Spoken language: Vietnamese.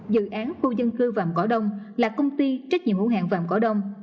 dự án khu dân cư vàng cỏ đông là công ty trách nhiệm hữu hàng vàng cỏ đông